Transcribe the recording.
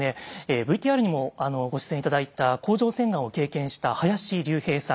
ＶＴＲにもご出演頂いた甲状腺がんを経験した林竜平さん。